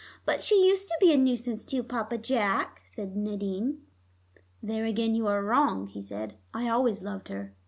"But she used to be a nuisance to you, Papa Jack," said Nadine. "There again you are wrong," he said. "I always loved her."